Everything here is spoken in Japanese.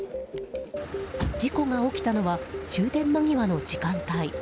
事故が起きたのは終電間際の時間帯。